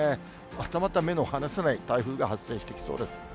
またまた目の離せない台風が発生してきそうです。